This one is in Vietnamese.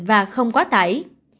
và không quá tài